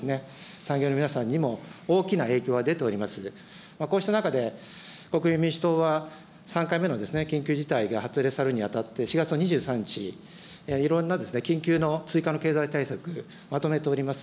産業の皆さんにも大きな影響が出ておりますので、こうした中で、国民民主党は、３回目の緊急事態が発令されるにあたって、４月の２３日、いろんな緊急の追加の経済対策、まとめております。